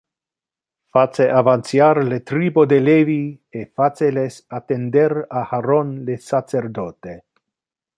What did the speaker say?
Face avantiar le tribo de Levi e face les attender Aharon le sacerdote